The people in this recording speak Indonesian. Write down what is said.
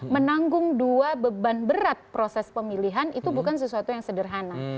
menanggung dua beban berat proses pemilihan itu bukan sesuatu yang sederhana